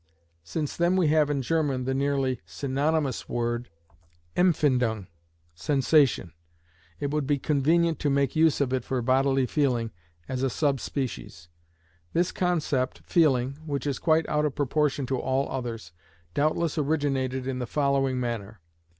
Since then we have in German the nearly synonymous word empfindung (sensation), it would be convenient to make use of it for bodily feeling, as a sub species. This concept "feeling," which is quite out of proportion to all others, doubtless originated in the following manner.